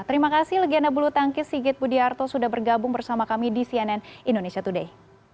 terima kasih legenda bulu tangkis sigit budiarto sudah bergabung bersama kami di cnn indonesia today